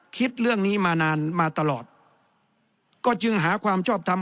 คิดเรื่องนี้มานานมาตลอดก็จึงหาความชอบทำ